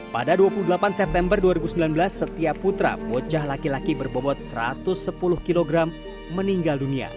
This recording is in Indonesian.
pada dua puluh delapan september dua ribu sembilan belas setiap putra bocah laki laki berbobot satu ratus sepuluh kg meninggal dunia